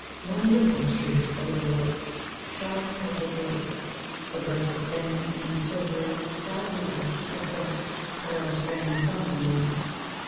One ripple streaks the little lake, Sharp purple blue; the birches, thin And silvery, crowd the edge, yet break To let a straying sunbeam in.